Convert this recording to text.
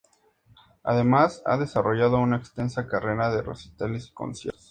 Además ha desarrollado una extensa carrera de recitales y conciertos.